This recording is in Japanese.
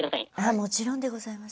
もちろんでございます。